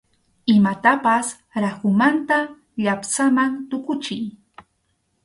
Imatapas rakhumanta llapsaman tukuchiy.